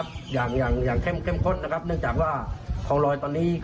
จะอะไรสองมาตรฐาน